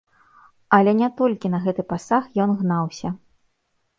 Але не толькі на гэты пасаг ён гнаўся.